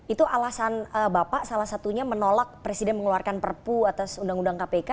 itu alasan bapak salah satunya menolak presiden mengeluarkan perpu atas undang undang kpk